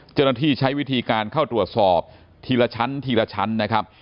เจ้าหน้าที่ใช้วิธีการเข้าตรวจสอบทีละชั้นทีละชั้นนะครับ